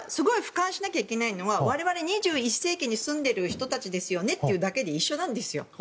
俯瞰しなきゃいけないのは我々、２１世紀に住んでいる人たちというだけで一緒なんですよ。